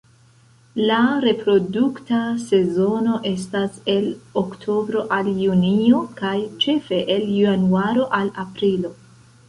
La reprodukta sezono estas el oktobro al junio kaj ĉefe el januaro al aprilo.